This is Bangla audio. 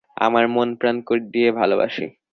আমার মন প্রাণ দিয়ে ভালোবাসি।